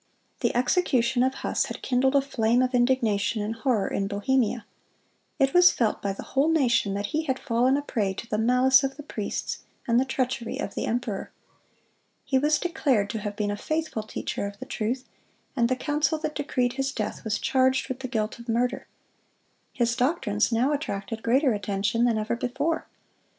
The execution of Huss had kindled a flame of indignation and horror in Bohemia. It was felt by the whole nation that he had fallen a prey to the malice of the priests and the treachery of the emperor. He was declared to have been a faithful teacher of the truth, and the council that decreed his death was charged with the guilt of murder. His doctrines now attracted greater attention than ever before.